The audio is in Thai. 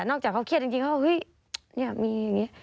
นอกจากเขาเครียดจริงเขาก็อู้หยนี่มีอย่างนี้